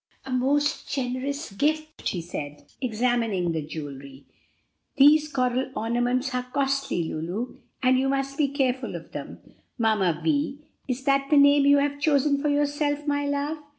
"A most generous gift," he said, examining the jewelry. "These coral ornaments are costly, Lulu, and you must be careful of them. Mamma Vi! Is that the name you have chosen for yourself, my love?"